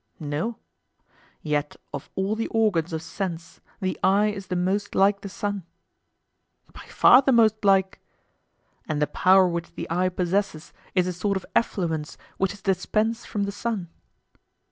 No. Yet of all the organs of sense the eye is the most like the sun? By far the most like. And the power which the eye possesses is a sort of effluence which is dispensed from the sun?